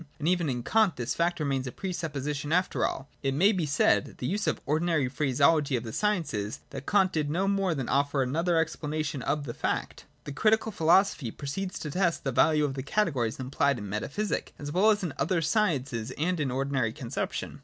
And even in Kant this fact remains a pre supposition after all ; it may be said, to use the ordinary phraseology of the sciences, that Kant did no more than offer another explanation of the fact. 41.] The Critical Philosophy proceeds to test the value of the categories employed in metaphysic, as well as in other sciences and in ordinary conception.